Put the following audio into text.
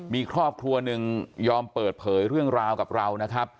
มีครอบครัวหนึ่งยอมเปิดเผยเรื่องราวกับเรานะครับ